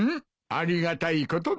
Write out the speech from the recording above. ありがたいことだ。